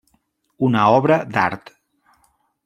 Una obra d'art.